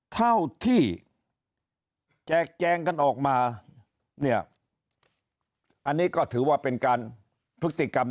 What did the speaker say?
เท่าที่แจกแจงกันออกมาเนี่ยอันนี้ก็ถือว่าเป็นการพฤติกรรม